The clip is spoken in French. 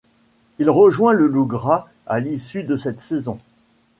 Il rejoint le Iougra à l'issue de cette saison.